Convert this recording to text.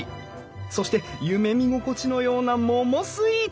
そして夢見心地のような桃スイーツ！